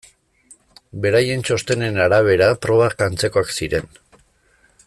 Beraien txostenen arabera probak antzekoak ziren.